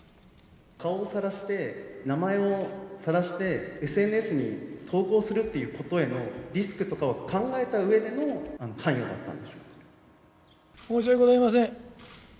顔をさらして、名前をさらして、ＳＮＳに投稿するっていうことへのリスクとかを考えたうえでの関申し訳ございません。